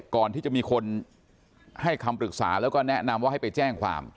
ก่อนที่จะมีคนให้คำปรึกษาแล้วก็แนะนำว่าให้ไปแจ้งความ